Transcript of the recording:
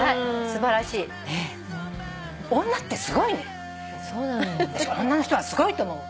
私女の人はすごいと思う。